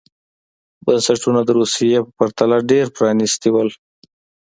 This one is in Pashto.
بنسټونه د روسیې په پرتله ډېر پرانېستي وو.